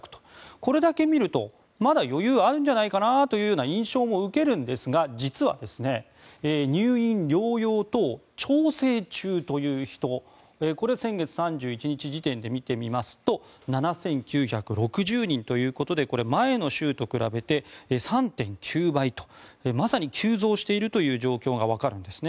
これだけ見るとまだ余裕があるんじゃないかなという印象も受けるんですが実は入院・療養等調整中という人これが先月３１日時点で見てみますと７９６０人ということでこれは前の週と比べて３．９倍とまさに急増している状況がわかるんですね。